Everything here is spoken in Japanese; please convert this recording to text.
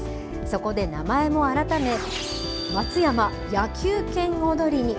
そこで名前も改め、松山野球拳おどりに。